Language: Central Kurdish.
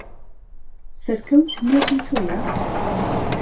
سەرکەوت مێردی تۆیە؟